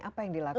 apa yang dilakukan